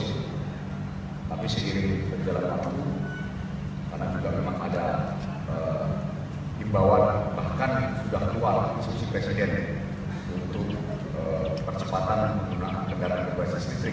tapi segini berjalan lalu karena juga memang ada imbauan bahkan sudah keluar institusi presiden untuk percepatan gunakan kendaraan kebiasaan listrik